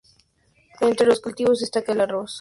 Entre los cultivos destaca el arroz.